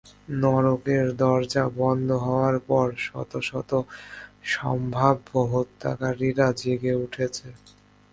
নরকের দরজা বন্ধ হওয়ার পর, শত শত সম্ভাব্য হত্যাকারীরা জেগে উঠেছে।